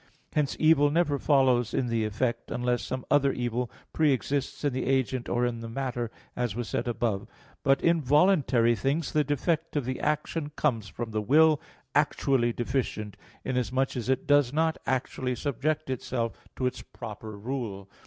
Hence evil never follows in the effect, unless some other evil pre exists in the agent or in the matter, as was said above. But in voluntary things the defect of the action comes from the will actually deficient, inasmuch as it does not actually subject itself to its proper rule.